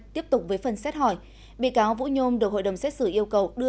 tiếp tục với phần xét hỏi bị cáo vũ nhôm được hội đồng xét xử yêu cầu